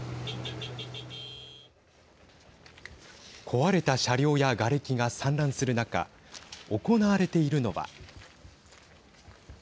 壊れた車両やがれきが散乱する中行われているのは。